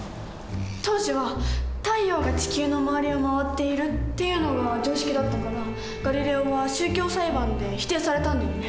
当時は「太陽が地球の周りを回っている」っていうのが常識だったからガリレオは宗教裁判で否定されたんだよね。